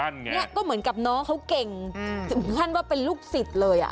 เนี่ยก็เหมือนกับน้องเขาเก่งถึงขั้นว่าเป็นลูกศิษย์เลยอ่ะ